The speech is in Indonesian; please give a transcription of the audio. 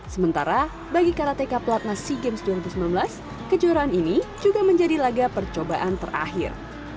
sementara bagi karateka pelatna sea games dua ribu sembilan belas kejuaraan ini juga menjadi laga percobaan terakhir